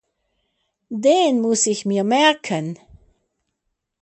Den muss ich mir merken.